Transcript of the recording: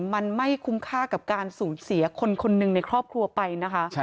มันไม่คุ้มค่ากับการสูญเสียคนคนหนึ่งในครอบครัวไปนะคะ